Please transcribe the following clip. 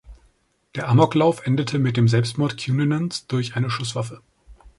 Der Amoklauf endete mit dem Selbstmord Cunanans durch eine Schusswaffe.